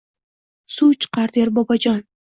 Suv chiqar der Bobojon.